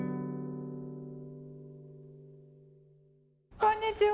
こんにちは。